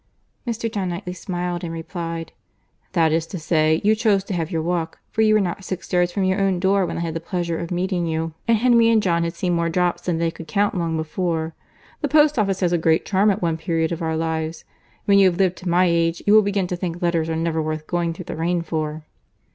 Mr. John Knightley smiled, and replied, "That is to say, you chose to have your walk, for you were not six yards from your own door when I had the pleasure of meeting you; and Henry and John had seen more drops than they could count long before. The post office has a great charm at one period of our lives. When you have lived to my age, you will begin to think letters are never worth going through the rain for."